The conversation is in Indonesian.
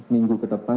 minggu ke depan